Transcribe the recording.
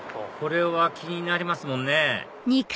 これは気になりますもんね